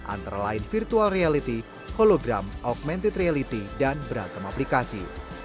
antara lain virtual reality hologram augmented reality dan beragam aplikasi